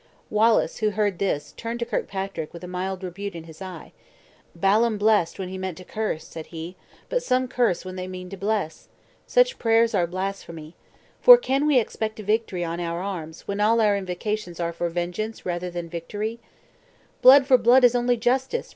Wallace, who heard this, turned to Kirkpatrick with a mild rebuke in his eye. "Balaam blessed, when he meant to curse!" said he; "but some curse, when they mean to bless. Such prayers are blasphemy. For, can we expect a blessing on our arms, when all our invocations are for vengeance rather than victory?" "Blood for blood is only justice!"